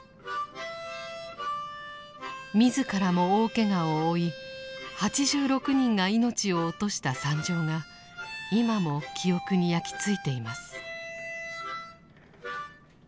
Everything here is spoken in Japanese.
自らも大けがを負い８６人が命を落とした惨状が今も記憶に焼き付いています。